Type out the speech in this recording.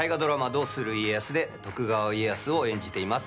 「どうする家康」で徳川家康を演じています